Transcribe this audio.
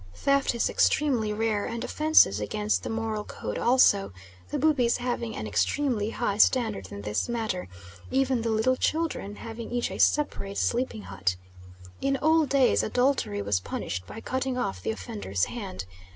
Theft is extremely rare and offences against the moral code also, the Bubis having an extremely high standard in this matter, even the little children having each a separate sleeping hut. In old days adultery was punished by cutting off the offender's hand.